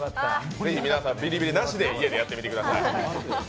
ぜひ皆さん、ビリビリなしで家でやってみてください。